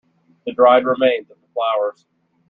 The dried remains of the flowers.